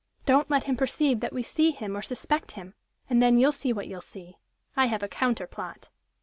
Don't let him perceive that we see him or suspect him and then, you'll see what you'll see. I have a counter plot."